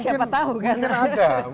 siapa tahu kan